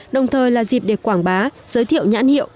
đồng thời là dịp để quảng bá giới thiệu nhãn hiệu